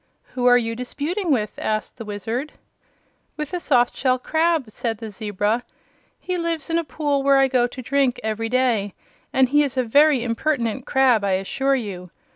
"Who are you disputing with?" asked the Wizard. "With a soft shell crab," said the zebra. "He lives in a pool where I go to drink every day, and he is a very impertinent crab, I assure you.